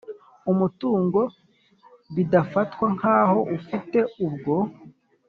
umutungo bidafatwa nk aho ifite ubwo